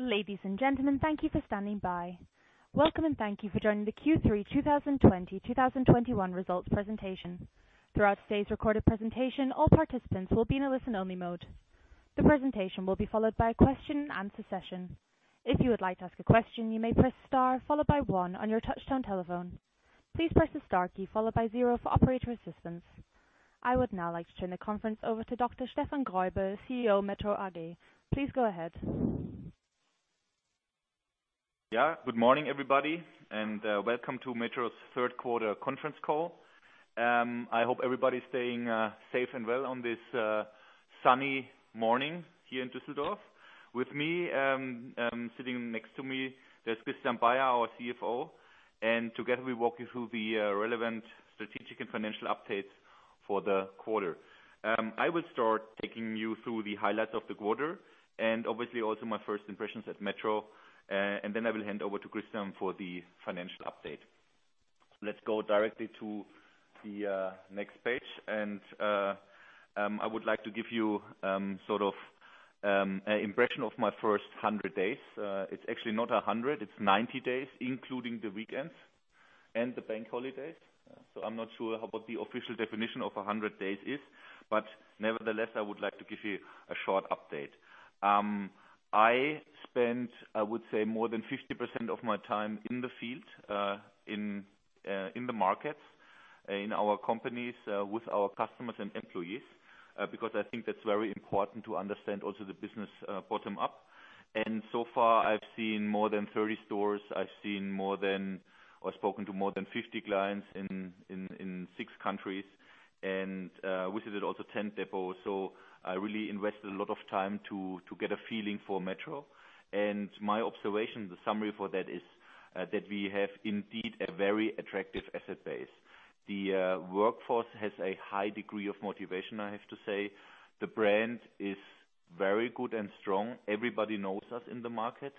Ladies and gentlemen, thank you for standing by. Welcome, and thank you for joining the Q3 2020, 2021 results presentation. Throughout today's recorded presentation, all participants will be in a listen-only mode. The presentation will be followed by a question and answer session. If you would like to ask a question, you may press star, followed by one on your touchtone telephone. Please press the star key, followed by zero for operator assistance. I would now like to turn the conference over to Dr. Steffen Greubel, CEO, METRO AG. Please go ahead. Yeah. Good morning, everybody, and welcome to METRO's 3rd quarter conference call. I hope everybody's staying safe and well on this sunny morning here in Düsseldorf. With me, sitting next to me, there's Christian Baier, our CFO, together we'll walk you through the relevant strategic and financial updates for the quarter. I will start taking you through the highlights of the quarter and obviously also my first impressions at METRO. Then I will hand over to Christian for the financial update. Let's go directly to the next page. I would like to give you sort of an impression of my first 100 days. It's actually not 100, it's 90 days, including the weekends and the bank holidays. I'm not sure what the official definition of 100 days is, nevertheless, I would like to give you a short update. I spent, I would say, more than 50% of my time in the field, in the markets, in our companies, with our customers and employees, because I think that's very important to understand also the business bottom up. So far, I've seen more than 30 stores. I've seen more than or spoken to more than 50 clients in six countries and visited also 10 depots. I really invested a lot of time to get a feeling for METRO. My observation, the summary for that is that we have indeed a very attractive asset base. The workforce has a high degree of motivation, I have to say. The brand is very good and strong. Everybody knows us in the market.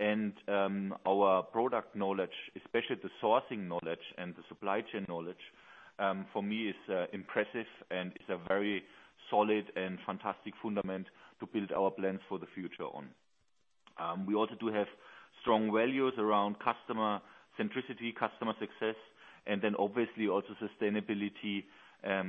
Our product knowledge, especially the sourcing knowledge and the supply chain knowledge, for me is impressive and is a very solid and fantastic fundament to build our plans for the future on. We also do have strong values around customer centricity, customer success, and then obviously also sustainability,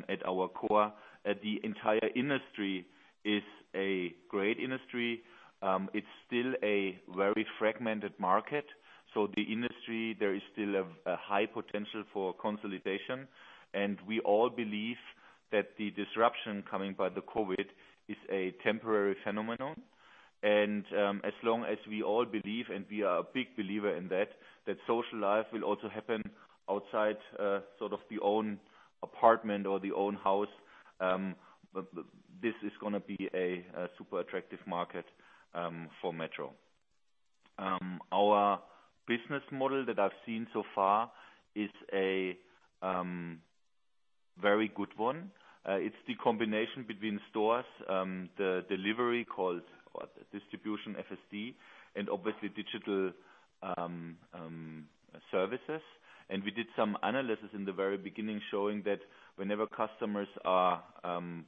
at our core. The entire industry is a great industry. It's still a very fragmented market. The industry, there is still a high potential for consolidation, and we all believe that the disruption coming by the COVID-19 is a temporary phenomenon. As long as we all believe, and we are a big believer in that social life will also happen outside sort of the own apartment or the own house, this is going to be a super attractive market for METRO. Our business model that I've seen so far is a very good one. It's the combination between stores, the delivery called Distribution FSD, and obviously digital services. We did some analysis in the very beginning showing that whenever customers are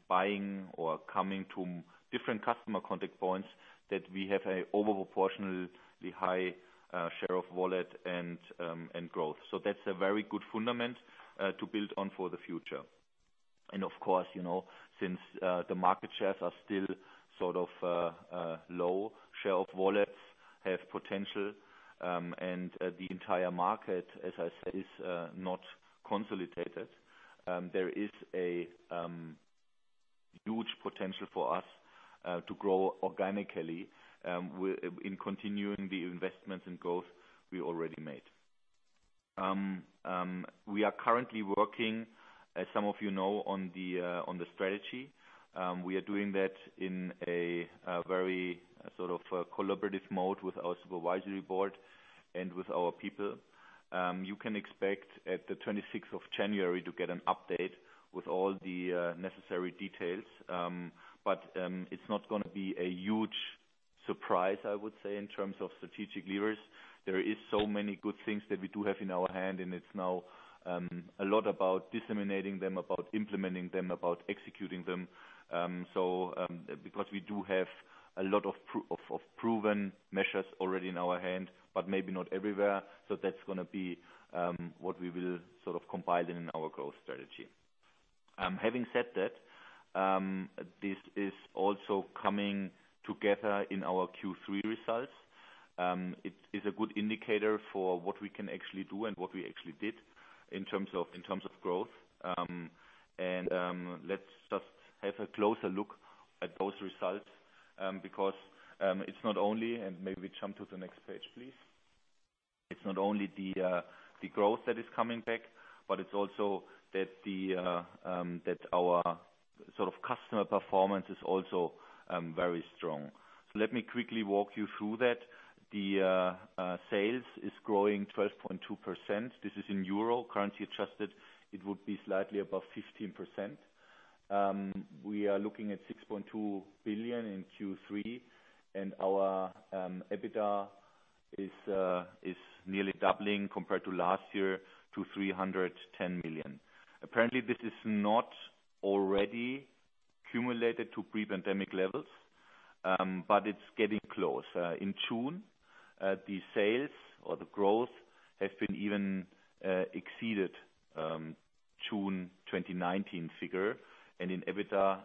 buying or coming to different customer contact points, that we have an over-proportionally high share of wallet and growth. That's a very good fundament to build on for the future. Of course, since the market shares are still sort of low, share of wallets have potential, and the entire market, as I said, is not consolidated. There is a huge potential for us to grow organically in continuing the investments and growth we already made. We are currently working, as some of you know, on the strategy. We are doing that in a very sort of collaborative mode with our supervisory board and with our people. You can expect at the 26th of January to get an update with all the necessary details. It's not going to be a huge surprise, I would say, in terms of strategic levers. There is so many good things that we do have in our hand, and it's now a lot about disseminating them, about implementing them, about executing them. We do have a lot of proven measures already in our hand, but maybe not everywhere. That's gonna be what we will sort of compile in our growth strategy. Having said that, this is also coming together in our Q3 results. It is a good indicator for what we can actually do and what we actually did in terms of growth. Let's just have a closer look at those results, because it's not only, and maybe we jump to the next page, please. It's not only the growth that is coming back, but it's also that our sort of customer performance is also very strong. Let me quickly walk you through that. The sales is growing 12.2%. This is in euro currency adjusted, it would be slightly above 15%. We are looking at 6.2 billion in Q3, and our EBITDA is nearly doubling compared to last year to 310 million. Apparently, this is not already accumulated to pre-pandemic levels, but it's getting close. In June, the sales or the growth has even exceeded June 2019 figure, and in EBITDA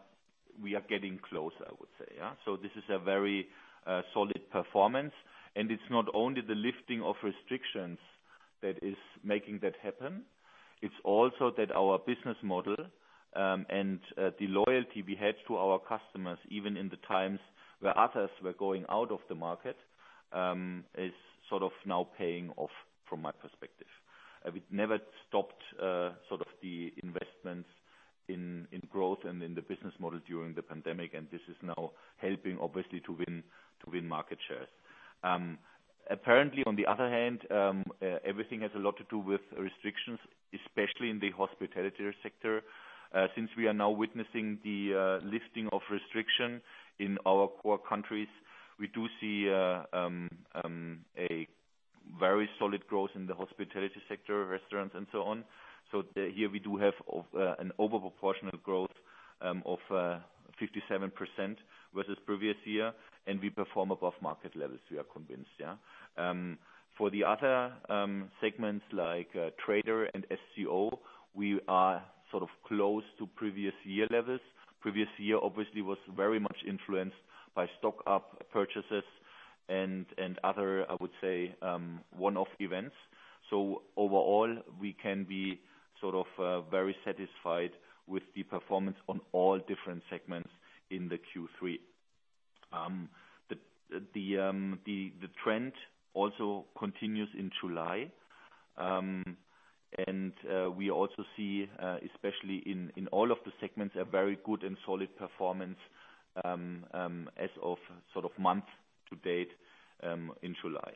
we are getting close, I would say. This is a very solid performance, and it's not only the lifting of restrictions that is making that happen. It's also that our business model, and the loyalty we had to our customers, even in the times where others were going out of the market, is sort of now paying off from my perspective. We never stopped the investments in growth and in the business model during the pandemic, and this is now helping, obviously, to win market shares. Apparently, on the other hand, everything has a lot to do with restrictions, especially in the hospitality sector. Since we are now witnessing the lifting of restriction in our core countries, we do see a very solid growth in the hospitality sector, restaurants and so on. Here we do have an over proportional growth of 57% versus previous year, and we perform above market levels. We are convinced, yeah. For the other segments like Trader and SCO, we are sort of close to previous year levels. Previous year, obviously, was very much influenced by stock-up purchases and other, I would say, one-off events. Overall, we can be very satisfied with the performance on all different segments in the Q3. The trend also continues in July. We also see, especially in all of the segments, a very good and solid performance as of month to date, in July.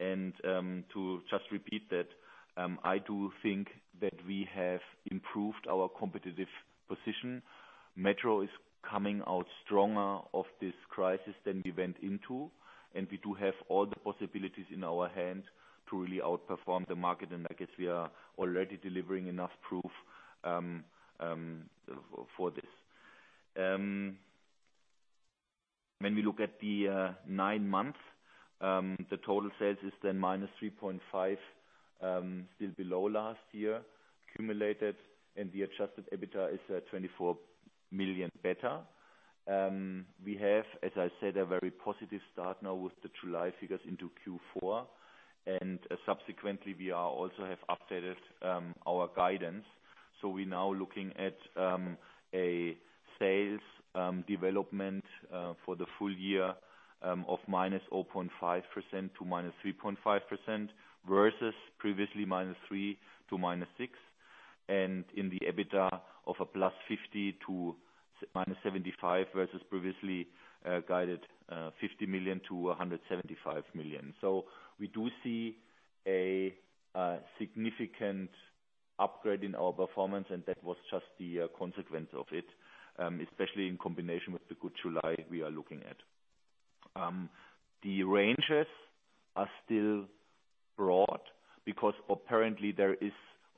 To just repeat that, I do think that we have improved our competitive position. METRO is coming out stronger of this crisis than we went into, and we do have all the possibilities in our hand to really outperform the market, and I guess we are already delivering enough proof for this. When we look at the nine months, the total sales is then minus 3.5%, still below last year accumulated, and the adjusted EBITDA is 24 million better. We have, as I said, a very positive start now with the July figures into Q4. Subsequently, we also have updated our guidance. We're now looking at a sales development for the full year of -0.5% to -3.5%, versus previously -3% to -6%. In the EBITDA of +50 million to -75 million versus previously guided 50 million to 175 million. We do see a significant upgrade in our performance, and that was just the consequence of it, especially in combination with the good July we are looking at. The ranges are still broad because apparently there is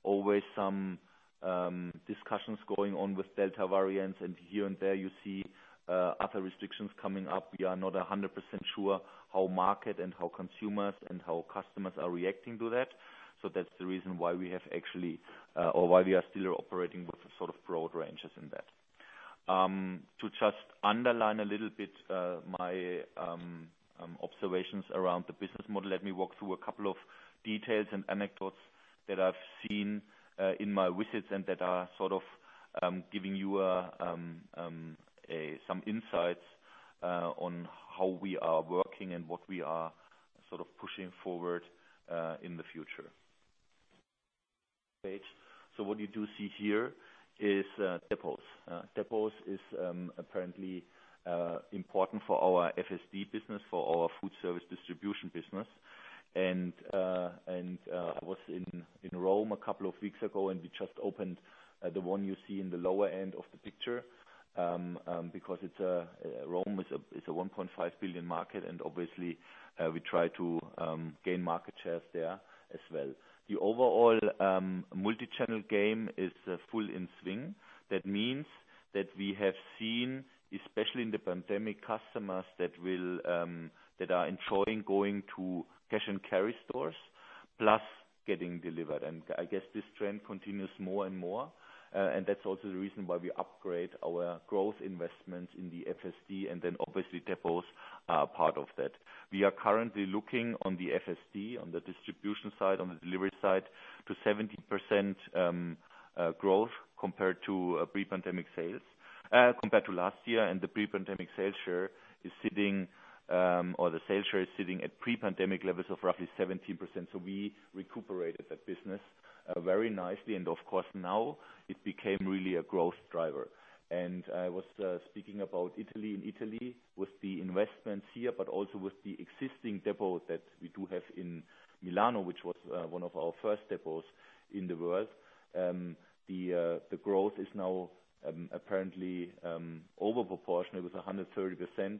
always some discussions going on with Delta variants and here and there you see other restrictions coming up. We are not 100% sure how market and how consumers and how customers are reacting to that. That's the reason why we are still operating with the sort of broad ranges in that. To just underline a little bit my observations around the business model, let me walk through a couple of details and anecdotes that I've seen in my visits and that are sort of giving you some insights on how we are working and what we are pushing forward in the future. Page. What you do see here is depots. Depots is apparently important for our FSD business, for our food service distribution business. I was in Rome a couple of weeks ago, and we just opened the one you see in the lower end of the picture, because Rome is a 1.5 billion market and obviously, we try to gain market shares there as well. The overall multi-channel game is full in swing. That means that we have seen, especially in the pandemic, customers that are enjoying going to cash and carry stores, plus getting delivered. I guess this trend continues more and more. That's also the reason why we upgrade our growth investments in the FSD and then obviously depots are part of that. We are currently looking on the FSD, on the distribution side, on the delivery side, to 17% growth compared to pre-pandemic sales compared to last year, and the pre-pandemic sales share is sitting, or the sales share is sitting at pre-pandemic levels of roughly 17%. We recuperated that business very nicely and of course, now it became really a growth driver. I was speaking about Italy. In Italy with the investments here, but also with the existing depot that we do have in Milano, which was 1 of our 1st depots in the world. The growth is now apparently over proportional. It was 130%.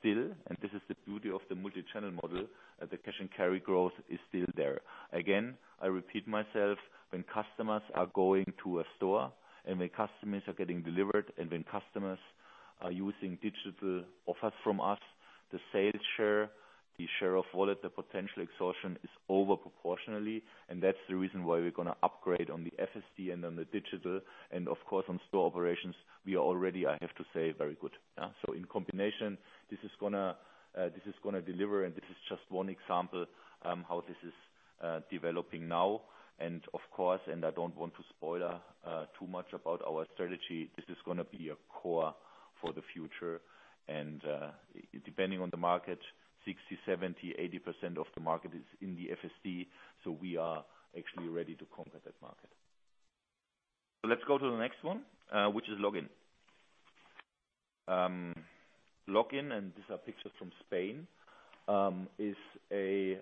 Still, and this is the beauty of the multi-channel model, the cash and carry growth is still there. Again, I repeat myself, when customers are going to a store and when customers are getting delivered, and when customers are using digital offers from us. The sales share, the share of wallet, the potential exhaustion is over proportionally, and that's the reason why we're going to upgrade on the FSD and on the digital and, of course, on store operations. We are already, I have to say, very good. In combination, this is going to deliver, and this is just 1 example how this is developing now. Of course, I don't want to spoiler too much about our strategy, this is going to be a core for the future. Depending on the market, 60, 70, 80% of the market is in the FSD. We are actually ready to conquer that market. Let's go to the next one, which is lock-in. Lock-in, and these are pictures from Spain, is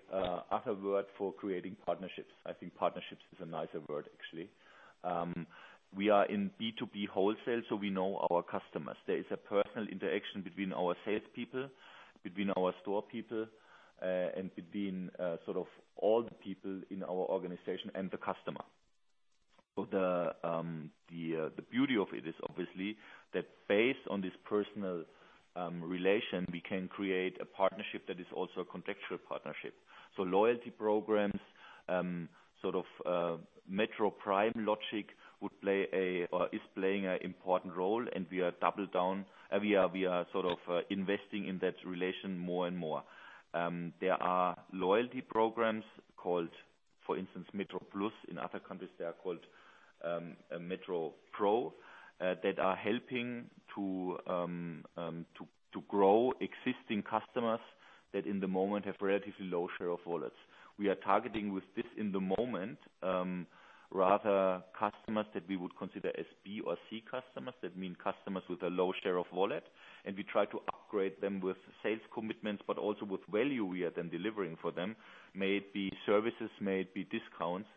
another word for creating partnerships. I think partnerships is a nicer word, actually. We are in B2B wholesale, we know our customers. There is a personal interaction between our sales people, between our store people, and between all the people in our organization and the customer. The beauty of it is, obviously, that based on this personal relation, we can create a partnership that is also a contextual partnership. Loyalty programs, Metro Prime logic is playing an important role, and we are double down. We are investing in that relation more and more. There are loyalty programs called, for instance, METRO PLUS. In other countries, they are called Metro Pro, that are helping to grow existing customers that in the moment have relatively low share of wallet. We are targeting with this in the moment, rather customers that we would consider as B or C customers. That mean customers with a low share of wallet, and we try to upgrade them with sales commitments, but also with value we are then delivering for them. May it be services, may it be discounts.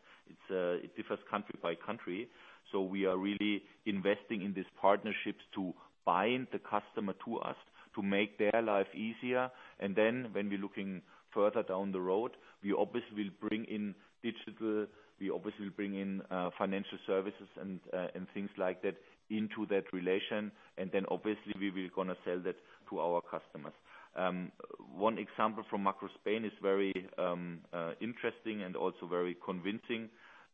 It differs country by country. We are really investing in these partnerships to bind the customer to us, to make their life easier. When we're looking further down the road, we obviously will bring in digital, we obviously will bring in financial services and things like that into that relation, and then obviously we will going to sell that to our customers. One example from Makro Spain is very interesting and also very convincing.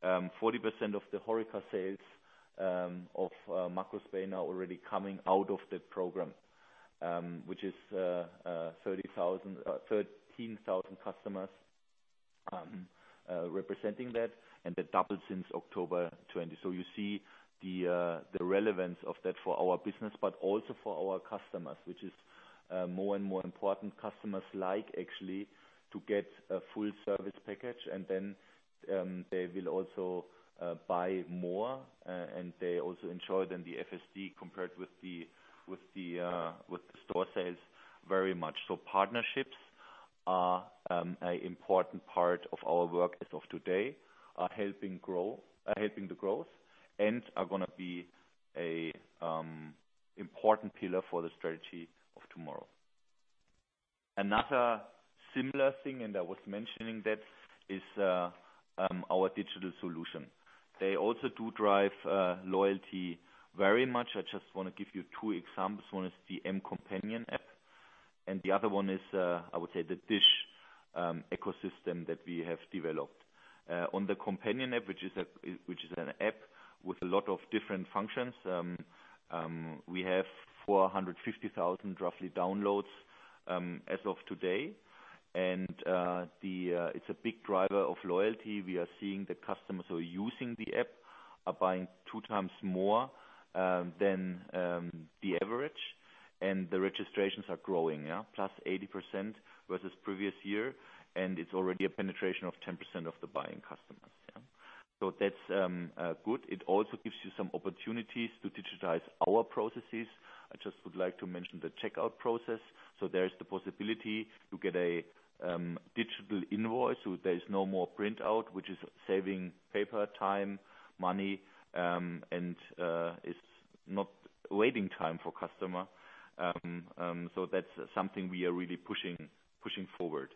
40% of the HoReCa sales of Makro Spain are already coming out of that program, which is 13,000 customers representing that, and that doubled since October 2020. You see the relevance of that for our business, but also for our customers, which is more and more important. Customers like actually to get a full service package and then they will also buy more, and they also enjoy then the FSD compared with the store sales very much. Partnerships are an important part of our work as of today, are helping the growth, and are going to be an important pillar for the strategy of tomorrow. Another similar thing, I was mentioning that, is our digital solution. They also do drive loyalty very much. I just want to give you two examples. One is the METRO Companion app, the other one is, I would say, the DISH ecosystem that we have developed. On the METRO Companion app, which is an app with a lot of different functions, we have 450,000, roughly, downloads as of today. It's a big driver of loyalty. We are seeing the customers who are using the app are buying two times more than the average. The registrations are growing. +80% versus previous year. It's already a penetration of 10% of the buying customers. That's good. It also gives you some opportunities to digitize our processes. I just would like to mention the checkout process. There is the possibility to get a digital invoice, so there is no more printout, which is saving paper, time, money, and it's not waiting time for customer. That's something we are really pushing forward.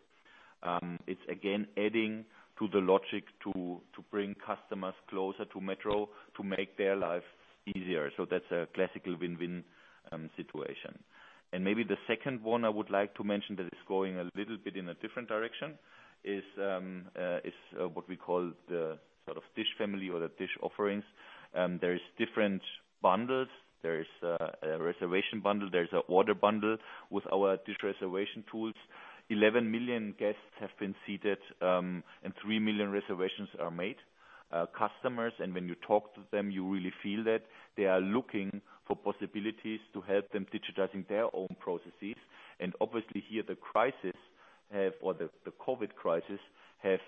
It's again, adding to the logic to bring customers closer to Metro to make their life easier. That's a classical win-win situation. Maybe the second one I would like to mention that is going a little bit in a different direction is what we call the DISH family or the DISH offerings. There is different bundles. There is a reservation bundle, there's a order bundle with our DISH Reservation tools. 11 million guests have been seated, and three million reservations are made. Customers, when you talk to them, you really feel that they are looking for possibilities to help them digitizing their own processes. Obviously here, the COVID crisis has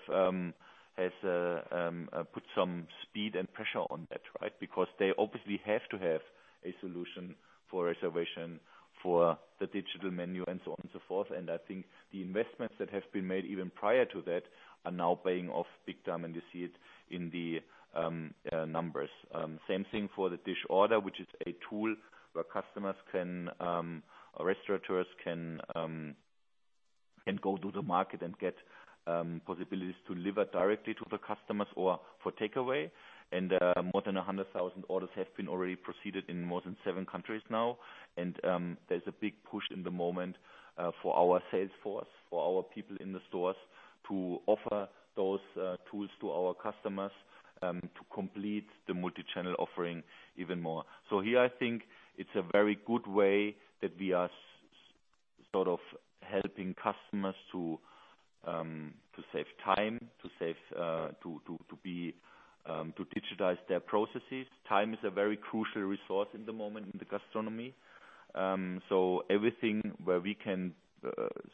put some speed and pressure on that, right? They obviously have to have a solution for reservation, for the digital menu and so on and so forth. I think the investments that have been made even prior to that are now paying off big time, and you see it in the numbers. Same thing for the DISH Order, which is a tool where restaurateurs can go to the market and get possibilities to deliver directly to the customers or for takeaway. More than 100,000 orders have been already processed in more than seven countries now. There's a big push in the moment for our sales force, for our people in the stores, to offer those tools to our customers, to complete the multi-channel offering even more. Here, I think it's a very good way that we are sort of helping customers to save time, to digitize their processes. Time is a very crucial resource in the moment in the gastronomy. Everything where we can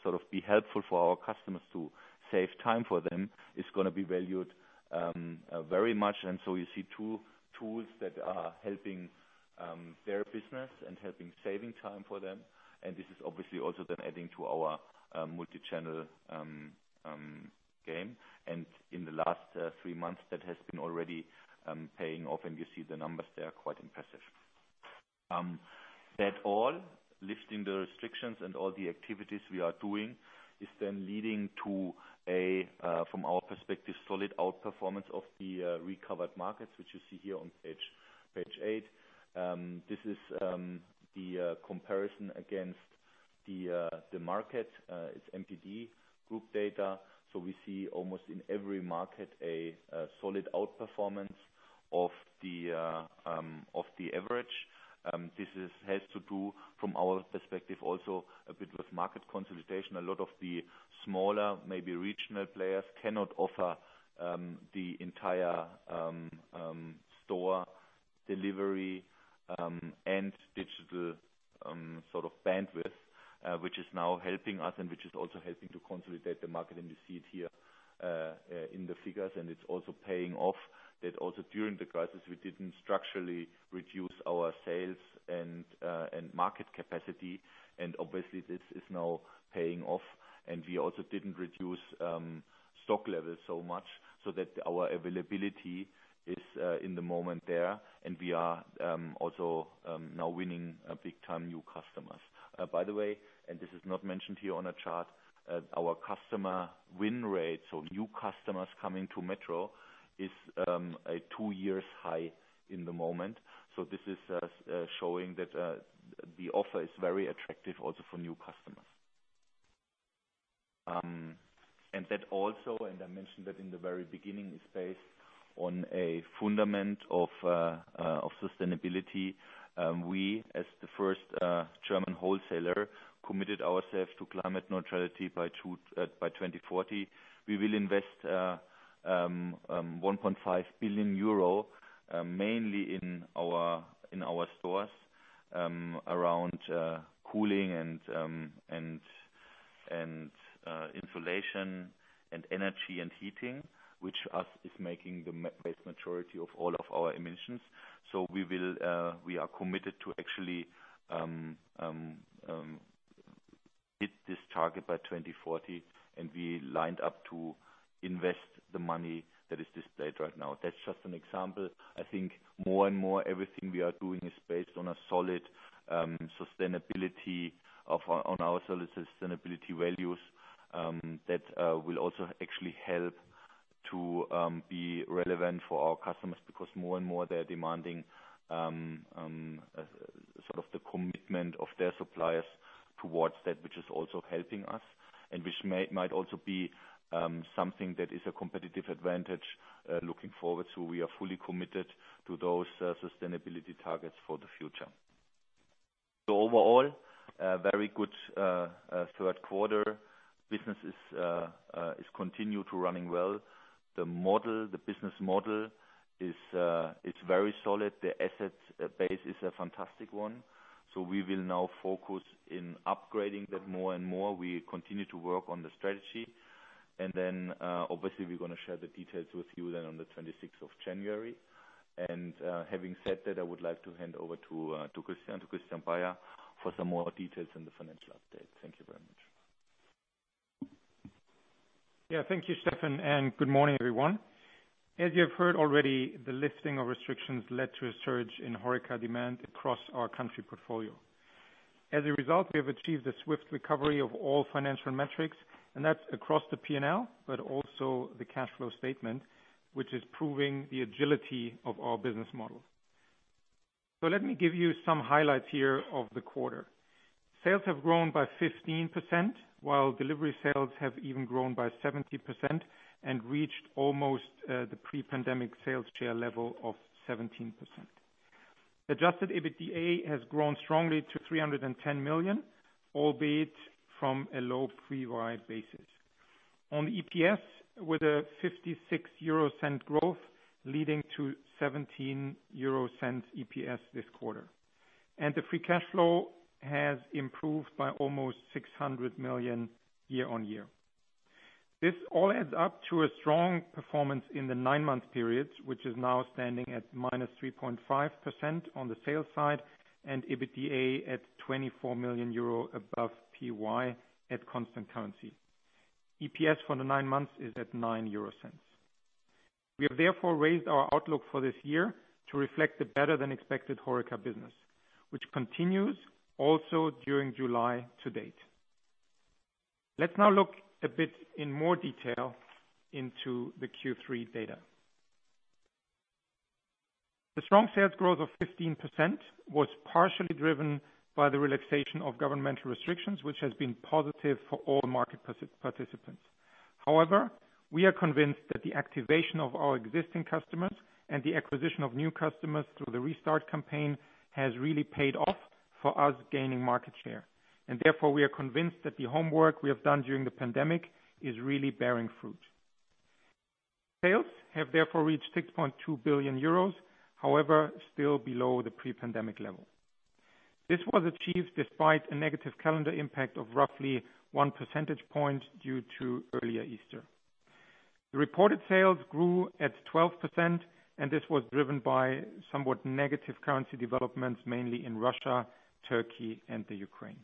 sort of be helpful for our customers to save time for them is going to be valued very much. You see tools that are helping their business and helping saving time for them. This is obviously also then adding to our multi-channel game. In the last three months that has been already paying off, and you see the numbers there, quite impressive. Lifting the restrictions and all the activities we are doing is leading to a, from our perspective, solid outperformance of the recovered markets, which you see here on page eight. This is the comparison against the market. It's NPD Group data. We see almost in every market a solid outperformance of the average. This has to do, from our perspective also, a bit with market consolidation. A lot of the smaller, maybe regional players cannot offer the entire store delivery and digital bandwidth, which is now helping us and which is also helping to consolidate the market. You see it here in the figures. It's also paying off that also during the crisis, we didn't structurally reduce our sales and market capacity. Obviously this is now paying off. We also didn't reduce stock levels so much so that our availability is in the moment there. We are also now winning big time new customers. By the way, this is not mentioned here on a chart, our customer win rate. New customers coming to METRO is a two-year high in the moment. This is showing that the offer is very attractive also for new customers. That also, and I mentioned that in the very beginning, is based on a fundament of sustainability. We, as the first German wholesaler, committed ourselves to climate neutrality by 2040. We will invest 1.5 billion euro, mainly in our stores around cooling and insulation and energy and heating, which is making the vast majority of all of our emissions. We are committed to actually hit this target by 2040, and we lined up to invest the money that is displayed right now. That's just an example. I think more and more everything we are doing is based on a solid sustainability, on our solid sustainability values, that will also actually help to be relevant for our customers because more and more they're demanding the commitment of their suppliers towards that, which is also helping us and which might also be something that is a competitive advantage looking forward. We are fully committed to those sustainability targets for the future. Overall, a very good third quarter. Business is continue to running well. The business model is very solid. The asset base is a fantastic one. We will now focus in upgrading that more and more. We continue to work on the strategy. Obviously we're going to share the details with you then on the 26th of January. Having said that, I would like to hand over to Christian Baier for some more details on the financial update. Thank you very much. Yeah. Thank you, Steffen. Good morning, everyone. As you have heard already, the lifting of restrictions led to a surge in HoReCa demand across our country portfolio. As a result, we have achieved a swift recovery of all financial metrics. That's across the P&L, also the cash flow statement, which is proving the agility of our business model. Let me give you some highlights here of the quarter. Sales have grown by 15%, while delivery sales have even grown by 70% and reached almost the pre-pandemic sales share level of 17%. Adjusted EBITDA has grown strongly to 310 million, albeit from a low pre-ride basis. On EPS, with a 0.56 growth leading to 0.17 EPS this quarter. The free cash flow has improved by almost 600 million year-on-year. This all adds up to a strong performance in the nine-month periods, which is now standing at -3.5% on the sales side and EBITDA at 24 million euro above PY at constant currency. EPS for the nine months is at 0.09. We have therefore raised our outlook for this year to reflect the better than expected HoReCa business, which continues also during July to date. Let's now look a bit in more detail into the Q3 data. The strong sales growth of 15% was partially driven by the relaxation of governmental restrictions, which has been positive for all market participants. We are convinced that the activation of our existing customers and the acquisition of new customers through the restart campaign has really paid off for us gaining market share, we are convinced that the homework we have done during the pandemic is really bearing fruit. Sales have therefore reached 6.2 billion euros. However, still below the pre-pandemic level. This was achieved despite a negative calendar impact of roughly one percentage point due to earlier Easter. The reported sales grew at 12%, this was driven by somewhat negative currency developments, mainly in Russia, Turkey, and Ukraine.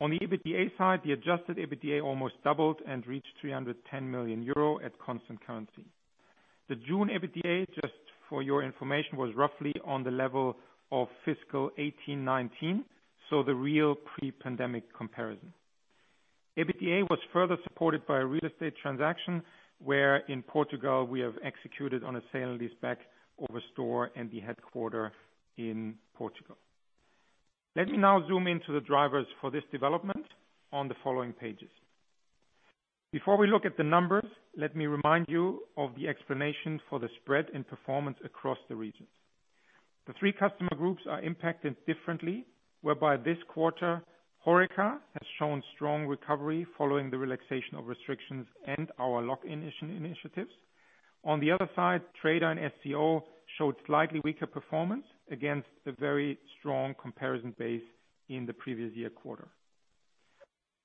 On the EBITDA side, the adjusted EBITDA almost doubled and reached 310 million euro at constant currency. The June EBITDA, just for your information, was roughly on the level of fiscal 2018/2019, so the real pre-pandemic comparison. EBITDA was further supported by a real estate transaction where in Portugal we have executed on a sale and leaseback of a store and the headquarter in Portugal. Let me now zoom into the drivers for this development on the following pages. Before we look at the numbers, let me remind you of the explanation for the spread in performance across the regions. The three customer groups are impacted differently, whereby this quarter, HoReCa has shown strong recovery following the relaxation of restrictions and our lock-in initiatives. On the other side, Trader and FCO showed slightly weaker performance against the very strong comparison base in the previous year quarter.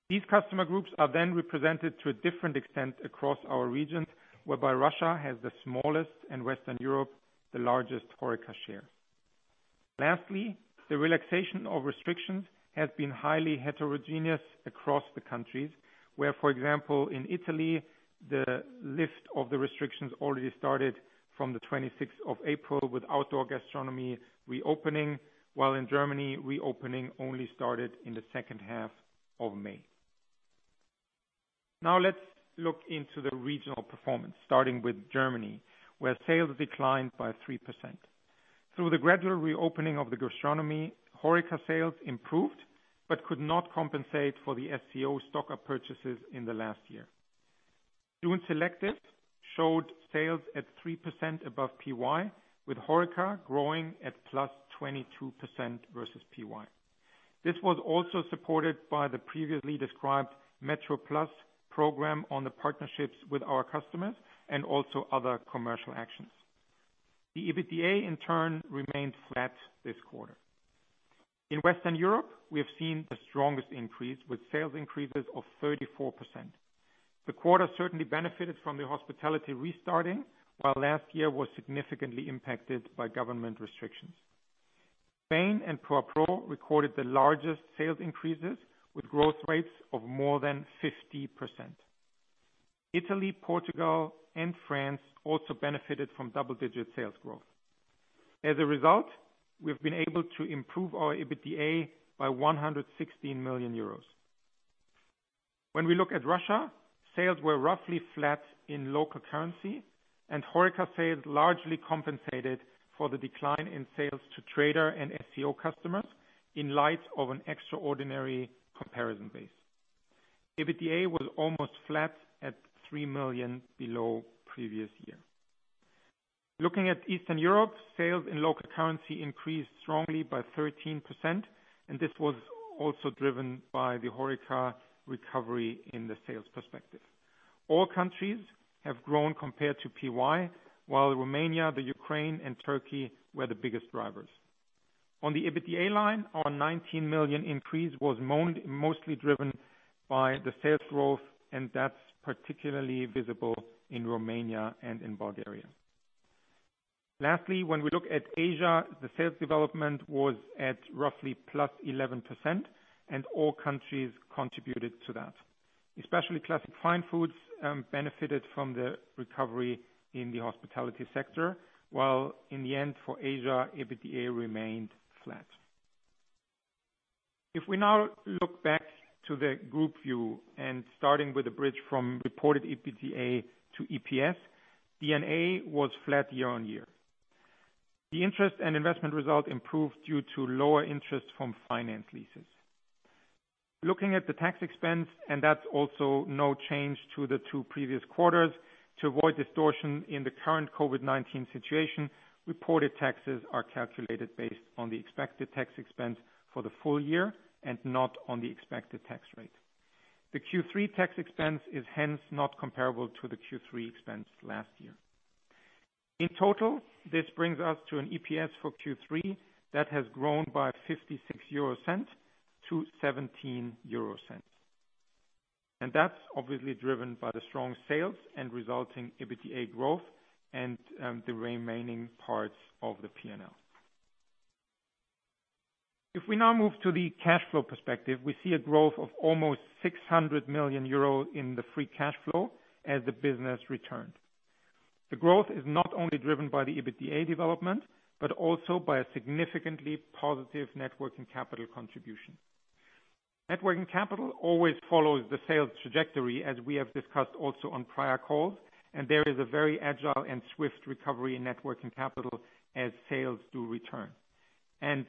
These customer groups are represented to a different extent across our regions, whereby Russia has the smallest in Western Europe, the largest HoReCa share. The relaxation of restrictions has been highly heterogeneous across the countries where, for example, in Italy, the lift of the restrictions already started from the 26th of April with outdoor gastronomy reopening, while in Germany, reopening only started in the second half of May. Now let's look into the regional performance, starting with Germany, where sales declined by 3%. Through the gradual reopening of the gastronomy, HoReCa sales improved but could not compensate for the FCO stock-up purchases in the last year. June selected showed sales at 3% above PY, with HoReCa growing at +22% versus PY. This was also supported by the previously described METRO PLUS program on the partnerships with our customers and also other commercial actions. The EBITDA in turn remained flat this quarter. In Western Europe, we have seen the strongest increase with sales increases of 34%. The quarter certainly benefited from the hospitality restarting, while last year was significantly impacted by government restrictions. Spain and Pro à Pro recorded the largest sales increases with growth rates of more than 50%. Italy, Portugal, and France also benefited from double-digit sales growth. As a result, we've been able to improve our EBITDA by 116 million euros. Sales were roughly flat in local currency and HoReCa sales largely compensated for the decline in sales to Trader and FCO customers in light of an extraordinary comparison base. EBITDA was almost flat at three million below previous year. Sales in local currency increased strongly by 13%, and this was also driven by the HoReCa recovery in the sales perspective. All countries have grown compared to PY, while Romania, the Ukraine, and Turkey were the biggest drivers. Our 19 million increase was mostly driven by the sales growth, and that's particularly visible in Romania and in Bulgaria. The sales development was at roughly plus 11% and all countries contributed to that. Especially Classic Fine Foods benefited from the recovery in the hospitality sector, while in the end for Asia, EBITDA remained flat. If we now look back to the group view and starting with a bridge from reported EBITDA to EPS, D&A was flat year-on-year. The interest and investment result improved due to lower interest from finance leases. Looking at the tax expense, that's also no change to the two previous quarters. To avoid distortion in the current COVID-19 situation, reported taxes are calculated based on the expected tax expense for the full year and not on the expected tax rate. The Q3 tax expense is hence not comparable to the Q3 expense last year. In total, this brings us to an EPS for Q3 that has grown by €0.56 to €0.17. That's obviously driven by the strong sales and resulting EBITDA growth and the remaining parts of the P&L. If we now move to the cash flow perspective, we see a growth of almost 600 million euro in the free cash flow as the business returned. The growth is not only driven by the EBITDA development, but also by a significantly positive networking capital contribution. Networking capital always follows the sales trajectory, as we have discussed also on prior calls, and there is a very agile and swift recovery in networking capital as sales do return.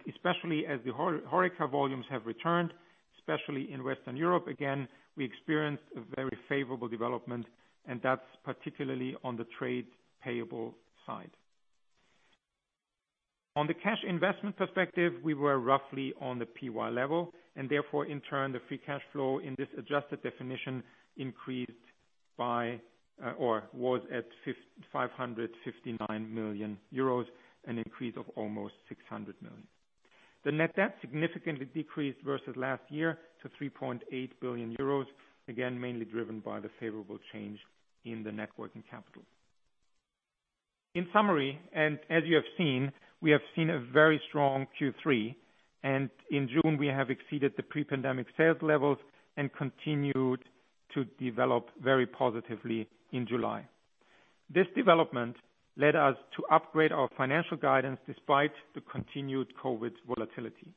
Especially as the HoReCa volumes have returned, especially in Western Europe again, we experienced a very favorable development, and that's particularly on the trade payable side. On the cash investment perspective, we were roughly on the PY level. Therefore, in turn, the free cash flow in this adjusted definition increased by or was at 559 million euros, an increase of almost 600 million. The net debt significantly decreased versus last year to 3.8 billion euros, again, mainly driven by the favorable change in the net working capital. In summary, and as you have seen, we have seen a very strong Q3, and in June we have exceeded the pre-pandemic sales levels and continued to develop very positively in July. This development led us to upgrade our financial guidance despite the continued COVID-19 volatility.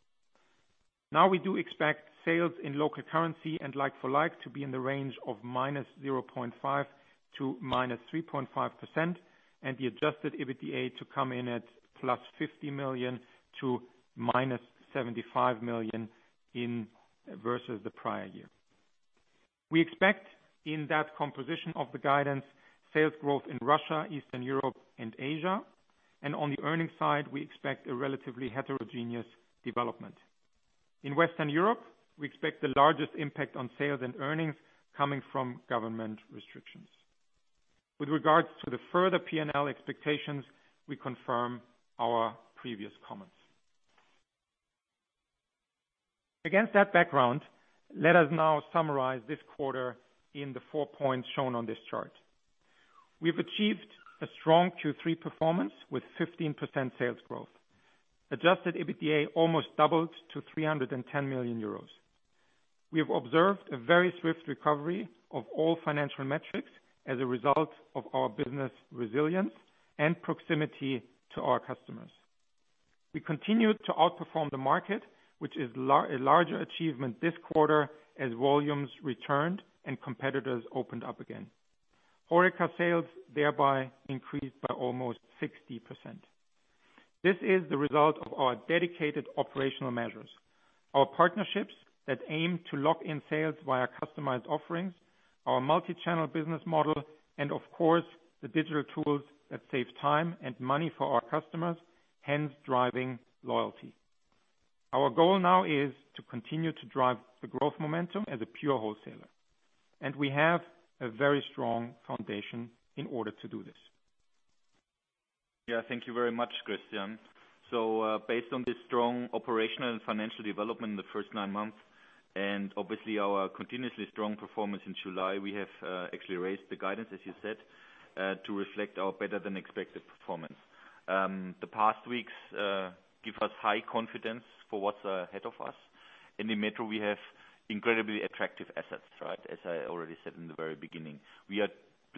Now we do expect sales in local currency and like-for-like to be in the range of -0.5% to -3.5%, and the adjusted EBITDA to come in at +50 million to -75 million versus the prior year. We expect in that composition of the guidance, sales growth in Russia, Eastern Europe and Asia. On the earnings side, we expect a relatively heterogeneous development. In Western Europe, we expect the largest impact on sales and earnings coming from government restrictions. With regards to the further P&L expectations, we confirm our previous comments. Against that background, let us now summarize this quarter in the four points shown on this chart. We've achieved a strong Q3 performance with 15% sales growth. Adjusted EBITDA almost doubled to 310 million euros. We have observed a very swift recovery of all financial metrics as a result of our business resilience and proximity to our customers. We continued to outperform the market, which is a larger achievement this quarter as volumes returned and competitors opened up again. HoReCa sales thereby increased by almost 60%. This is the result of our dedicated operational measures, our partnerships that aim to lock in sales via customized offerings, our multi-channel business model, and of course, the digital tools that save time and money for our customers, hence driving loyalty. Our goal now is to continue to drive the growth momentum as a pure wholesaler. We have a very strong foundation in order to do this. Yeah, thank you very much, Christian. Based on this strong operational and financial development in the first nine months, and obviously our continuously strong performance in July, we have actually raised the guidance, as you said, to reflect our better than expected performance. The past weeks give us high confidence for what's ahead of us. In the METRO, we have incredibly attractive assets, right, as I already said in the very beginning. We are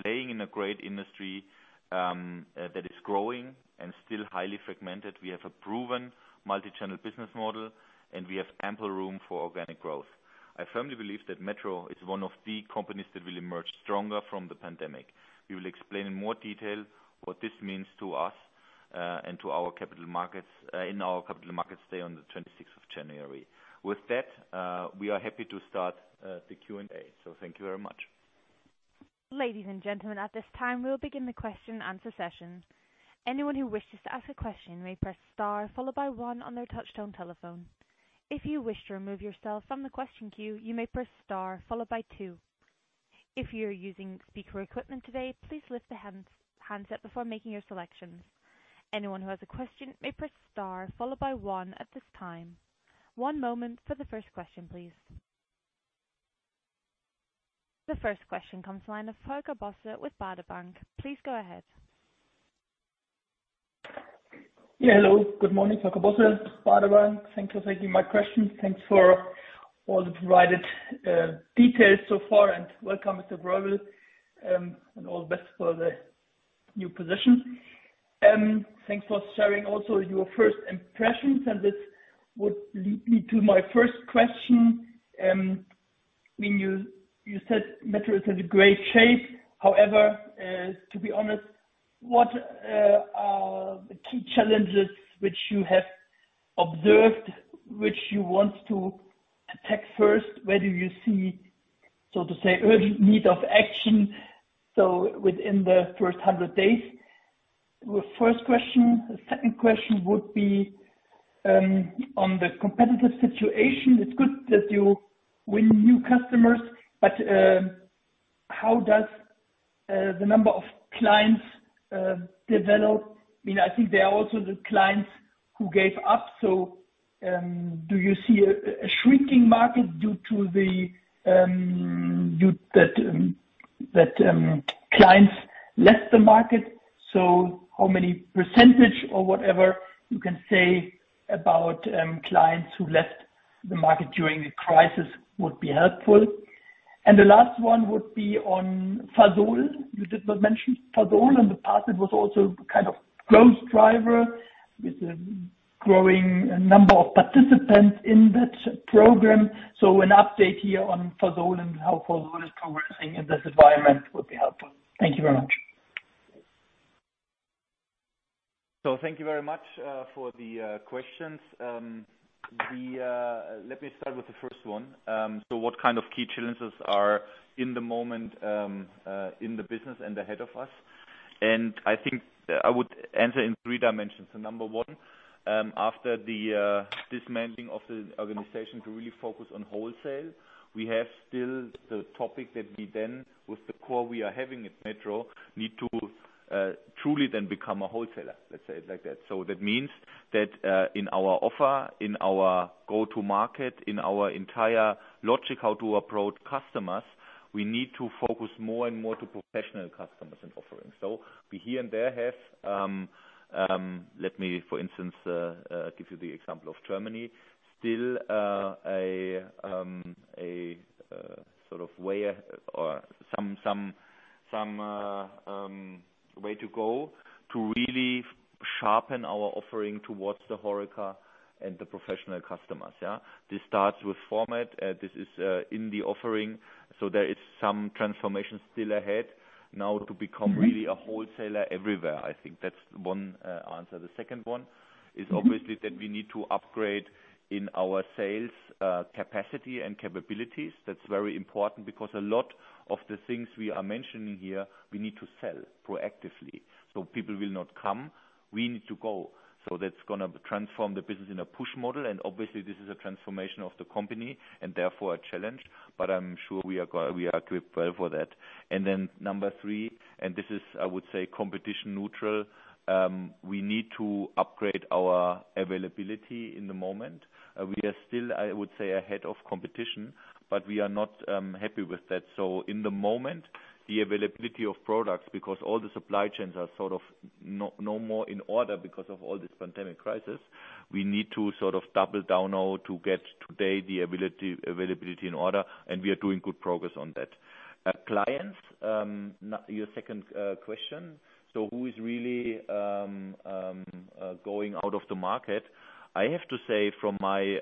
playing in a great industry that is growing and still highly fragmented. We have a proven multi-channel business model, and we have ample room for organic growth. I firmly believe that METRO is one of the companies that will emerge stronger from the pandemic. We will explain in more detail what this means to us, and in our Capital Markets Day on the 26th of January. With that, we are happy to start the Q&A. Thank you very much. Ladies and gentlemen, at this time, we'll begin the question and answer session. Anyone who wishes to ask a question may press star followed by one on their touchtone telephone. If you wish to remove yourself from the question queue, you may press star followed by two. If you're using speaker equipment today, please lift the handset before making your selections. Anyone who has a question may press star followed by one at this time. One moment for the first question, please. The first question comes to line of Volker Bosse with Baader Bank. Please go ahead. Yeah. Hello, good morning. Volker Bosse, Baader Bank. Thank you for taking my question. Thanks for all the provided details so far, and welcome, Mr. Greubel, and all the best for the new position. Thanks for sharing also your first impressions, and this would lead me to my first question. You said METRO is in great shape. To be honest, what are the key challenges which you have observed, which you want to attack first? Where do you see, so to say, urgent need of action, so within the first 100 days? First question. The second question would be on the competitive situation. It's good that you win new customers, but how does the number of clients develop? I think there are also the clients who gave up. Do you see a shrinking market due to that clients left the market? How many percentage or whatever you can say about clients who left the market during the crisis would be helpful. The last one would be on Fasol. You did not mention Fasol. In the past, it was also kind of growth driver with a growing number of participants in that program. An update here on Fasol and how Fasol is progressing in this environment would be helpful. Thank you very much. Thank you very much for the questions. Let me start with the first one. What kind of key challenges are in the moment, in the business and ahead of us? I think I would answer in three dimensions. Number one, after the dismantling of the organization to really focus on wholesale, we have still the topic that we then, with the core we are having at Metro, need to truly then become a wholesaler, let's say it like that. That means that in our offer, in our go-to market, in our entire logic, how to approach customers, we need to focus more and more to professional customers and offerings. We here and there have, let me, for instance, give you the example of Germany, still a sort of way or some way to go to really sharpen our offering towards the HoReCa and the professional customers. Yeah. This starts with format. This is in the offering. There is some transformation still ahead now to become really a wholesaler everywhere. I think that's one answer. The second one is obviously that we need to upgrade in our sales capacity and capabilities. That's very important because a lot of the things we are mentioning here, we need to sell proactively. People will not come, we need to go. That's gonna transform the business in a push model. Obviously this is a transformation of the company and therefore a challenge. I'm sure we are equipped well for that. Then number three, and this is, I would say, competition neutral. We need to upgrade our availability in the moment. We are still, I would say, ahead of competition, but we are not happy with that. At the moment, the availability of products, because all the supply chains are sort of no more in order because of all this pandemic crisis, we need to sort of double down now to get today the availability in order, and we are doing good progress on that. Clients, your second question. Who is really going out of the market? I have to say, from my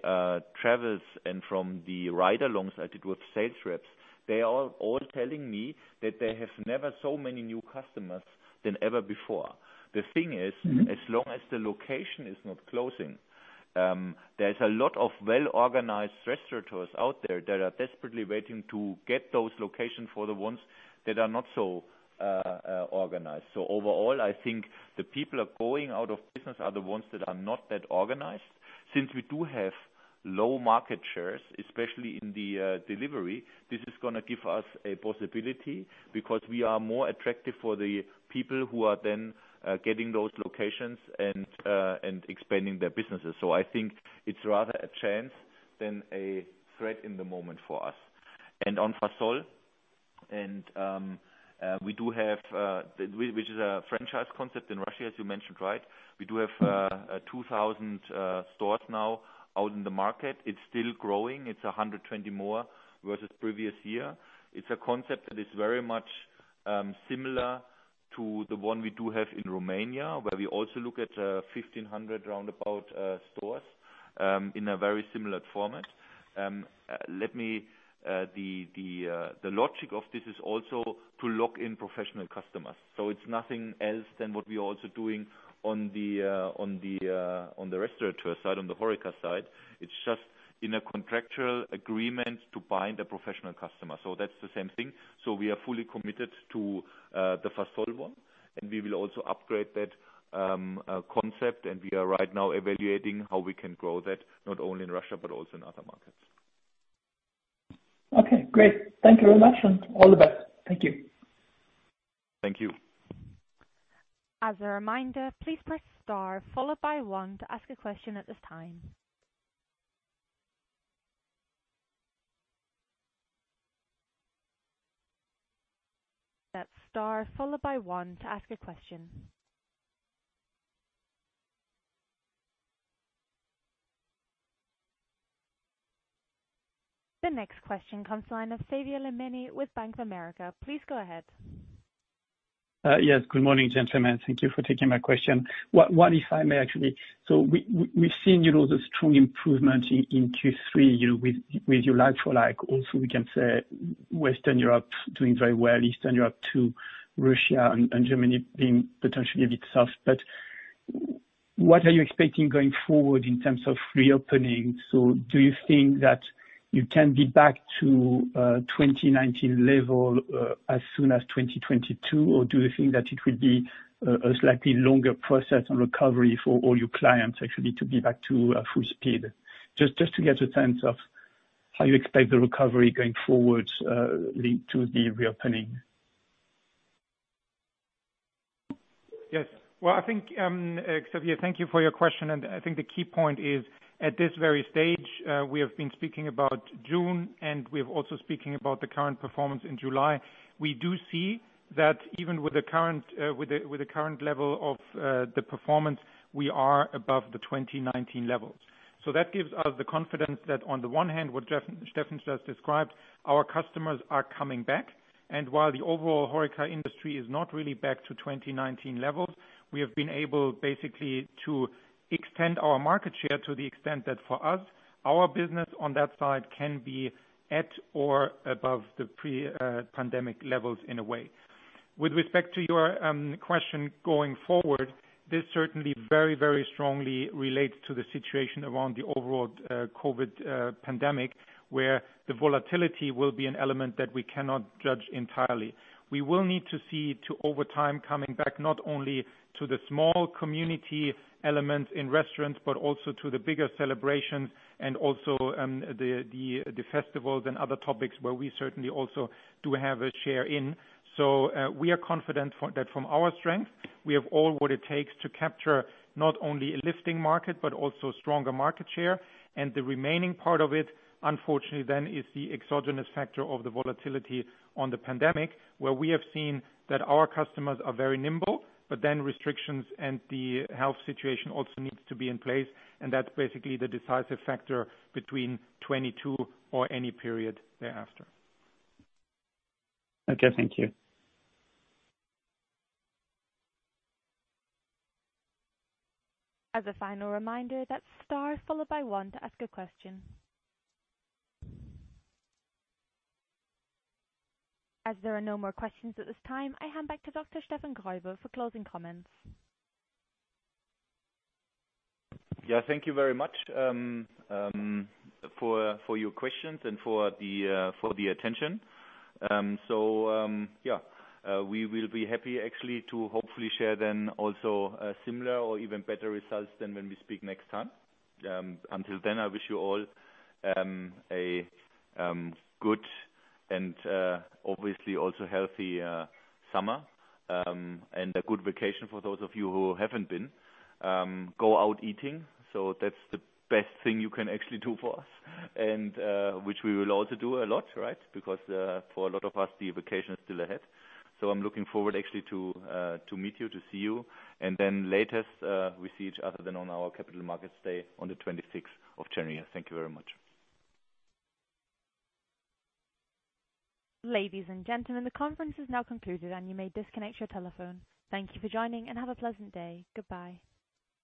travels and from the ride-alongs I did with sales reps, they are all telling me that they have never so many new customers than ever before. As long as the location is not closing, there's a lot of well-organized restaurateurs out there that are desperately waiting to get those locations for the ones that are not so organized. Overall, I think the people are going out of business are the ones that are not that organized. Since we do have low market shares, especially in the delivery, this is going to give us a possibility because we are more attractive for the people who are then getting those locations and expanding their businesses. I think it's rather a chance than a threat in the moment for us. On Fasol, and we do have, which is a franchise concept in Russia, as you mentioned, right? We do have 2,000 stores now out in the market. It's still growing. It's 120 more versus previous year. It's a concept that is very much similar to the one we do have in Romania, where we also look at 1,500 roundabout stores in a very similar format. The logic of this is also to lock in professional customers. It's nothing else than what we are also doing on the restaurateur side, on the HoReCa side. It's just in a contractual agreement to bind a professional customer. That's the same thing. We are fully committed to the Fasol one, and we will also upgrade that concept. We are right now evaluating how we can grow that, not only in Russia but also in other markets. Okay, great. Thank you very much and all the best. Thank you. Thank you. As a reminder, please press star followed by one to ask a question at this time. That's star followed by one to ask a question. The next question comes from the line of Xavier Le Mené with Bank of America. Please go ahead. Yes. Good morning, gentlemen. Thank you for taking my question. one, if I may, actually. We've seen the strong improvement in Q3 with your like-for-like. Also, we can say Western Europe doing very well, Eastern Europe too. Russia and Germany being potentially a bit soft. What are you expecting going forward in terms of reopening? Do you think that you can be back to 2019 level as soon as 2022? Do you think that it will be a slightly longer process and recovery for all your clients actually to be back to full speed? Just to get a sense of how you expect the recovery going forward linked to the reopening. Yes. Xavier, thank you for your question. I think the key point is at this very stage, we have been speaking about June, and we're also speaking about the current performance in July. We do see that even with the current level of the performance, we are above the 2019 levels. That gives us the confidence that on the one hand, what Steffen just described, our customers are coming back. While the overall HoReCa industry is not really back to 2019 levels, we have been able, basically, to extend our market share to the extent that for us, our business on that side can be at or above the pre-pandemic levels in a way. With respect to your question going forward, this certainly very strongly relates to the situation around the overall COVID pandemic, where the volatility will be an element that we cannot judge entirely. We will need to see to over time coming back not only to the small community elements in restaurants, but also to the bigger celebrations and also the festivals and other topics where we certainly also do have a share in. We are confident that from our strength, we have all what it takes to capture not only a lifting market, but also a stronger market share. The remaining part of it, unfortunately then, is the exogenous factor of the volatility on the pandemic, where we have seen that our customers are very nimble, but then restrictions and the health situation also needs to be in place, and that's basically the decisive factor between 2022 or any period thereafter. Okay, thank you. As a final reminder, that's star followed by one to ask a question. As there are no more questions at this time, I hand back to Dr. Steffen Greubel for closing comments. Yeah, thank you very much for your questions and for the attention. We will be happy actually to hopefully share then also similar or even better results than when we speak next time. Until then, I wish you all a good and obviously also healthy summer, and a good vacation for those of you who haven't been. Go out eating. That's the best thing you can actually do for us, and which we will also do a lot, because for a lot of us, the vacation is still ahead. I'm looking forward actually to meet you, to see you, and then latest, we see each other then on our capital market day on the 26th of January. Thank you very much. Ladies and gentlemen, the conference is now concluded, and you may disconnect your telephone. Thank you for joining, and have a pleasant day. Goodbye.